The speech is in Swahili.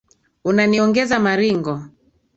Unaniongeza maringo.